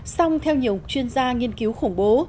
song theo nhiều chuyên gia nghiên cứu khủng bố